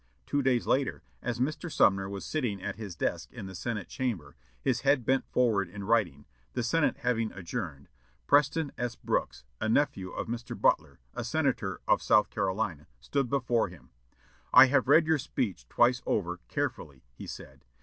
Two days later, as Mr. Sumner was sitting at his desk in the Senate chamber, his head bent forward in writing, the Senate having adjourned, Preston S. Brooks, a nephew of Mr. Butler, a senator of South Carolina, stood before him. "I have read your speech twice over, carefully," he said.